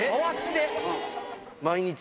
毎日？